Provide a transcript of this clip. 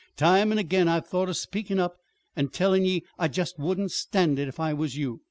Time an' again I've thought of speakin' up an' tellin' ye I jest wouldn't stand it, if I was you.